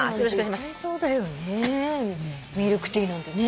言っちゃいそうだよねミルクティーなんてね。